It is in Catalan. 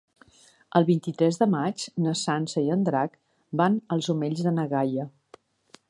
El vint-i-tres de maig na Sança i en Drac van als Omells de na Gaia.